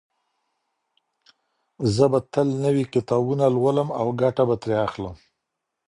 زه به تل نوي کتابونه لولم او ګټه به ترې اخلم.